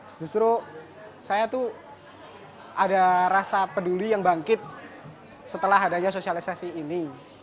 justru saya tuh ada rasa peduli yang bangkit setelah adanya sosialisasi ini